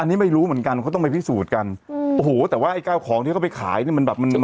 อันนี้ไม่รู้เหมือนกันเขาต้องไปพิสูจน์กันอืมโอ้โหแต่ว่าไอ้ข้าวของที่เขาไปขายเนี้ยมันแบบมัน